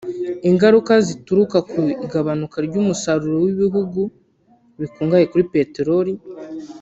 ingaruka zizaturuka ku igabanuka ry’umusaruro w’ibihugu bikungahaye kuri peteroli